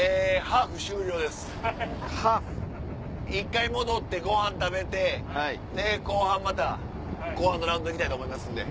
１回戻ってごはん食べて後半また後半のラウンド行きたいと思いますんで。